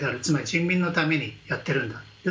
つまり人民のためにやっているんだと。